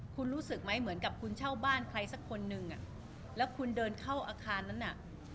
คุณรู้สึกไหมเหมือนกับคุณเช่าบ้านใครสักคนหนึ่งอ่ะแล้วคุณเดินเข้าอาคารนั้นน่ะ